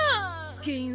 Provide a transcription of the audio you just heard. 原因は？